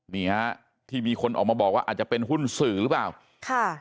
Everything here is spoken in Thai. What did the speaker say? นี่ฮะที่มีคนออกมาบอกว่าอาจจะเป็นหุ้นสื่อหรือเปล่าค่ะ